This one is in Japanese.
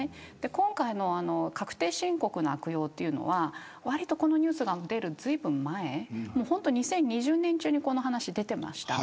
今回の確定申告の悪用というのはこのニュースが出るずいぶん前２０２０年中に、この話出ていました。